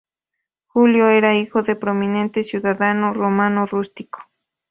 Julio era hijo del prominente ciudadano romano Rústico.